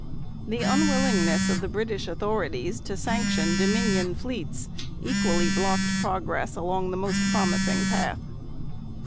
The unwillingness of the British authorities to sanction Dominion fleets equally blocked progress along the most promising path.